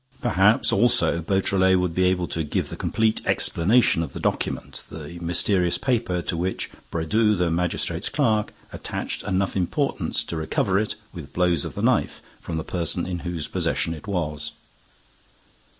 Perhaps, also, Beautrelet would be able to give the complete explanation of the document, the mysterious paper to which. Brédoux, the magistrate's clerk, attached enough importance to recover it, with blows of the knife, from the person in whose possession it was.